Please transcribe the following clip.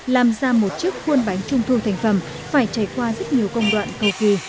làm ra một chiếc khuôn bánh trung thu thành phẩm phải trải qua rất nhiều công đoạn cầu kỳ